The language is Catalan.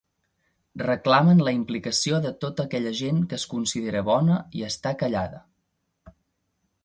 Reclamen la implicació de tota aquella gent que es considera bona i està callada.